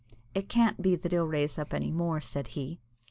"It can't be that he'll rise up any more," said he.